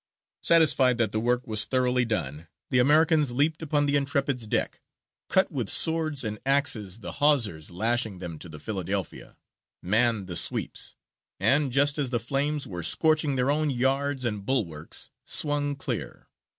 Satisfied that the work was thoroughly done, the Americans leaped upon the Intrepid's deck, cut with swords and axes the hawsers lashing them to the Philadelphia, manned the sweeps, and, just as the flames were scorching their own yards and bulwarks, swung clear.